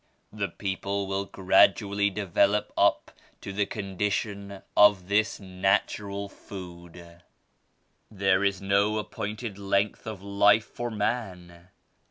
The people will gradually develop up to the condi tion of this natural food." "There is no appointed length of life for man.